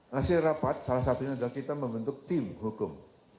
hasil rapat salah satunya adalah kita membentuk tim hukum